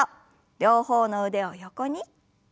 両方の腕を横に。